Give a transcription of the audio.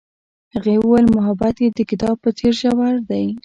هغې وویل محبت یې د کتاب په څېر ژور دی.